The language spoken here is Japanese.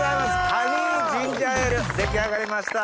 ハニージンジャーエール出来上がりました。